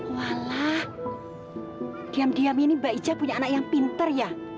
walah diem diem ini mbak icah punya anak yang pinter ya